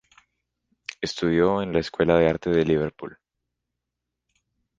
Estudió en la Escuela de Arte de Liverpool.